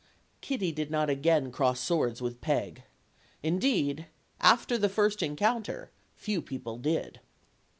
Kitty did not again cross swords with Peg. Indeed, after the first encounter, few people did.